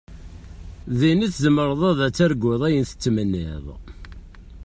Din i tzemreḍ ad targuḍ ayen tettmenniḍ.